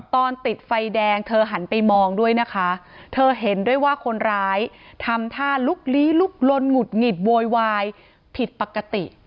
ตอนติดไฟแดงเธอหันไปมองด้วยนะคะเธอเห็นด้วยว่าคนร้ายทำท่าลุกลี้ลุกลนหงุดหงิดโวยวายผิดปกติ